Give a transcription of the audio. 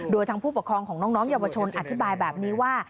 โดยทางผู้ปกครองของน้องเยาวชนอธิบายแบบนี้ว่า